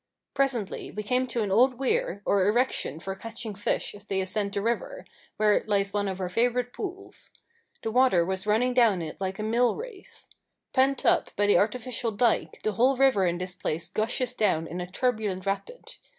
Presently we came to an old weir, or erection for catching fish as they ascend the river, where lies one of our favourite pools. The water was running down it like a mill race. Pent up by the artificial dike, the whole river in this place gushes down in a turbulent rapid.